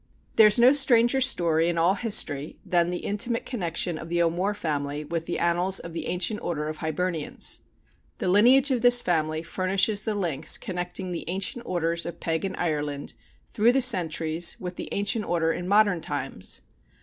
There is no stranger story in all history than the intimate connection of the O'More family with the annals of the Ancient Order of Hibernians. The lineage of this family furnishes the links connecting the ancient orders of pagan Ireland through the centuries with the Ancient Order in modern times.